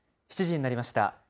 ７時になりました。